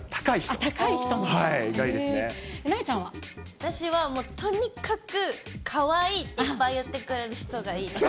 私はもうとにかく、かわいいっていっぱい言ってくれる人がいいです。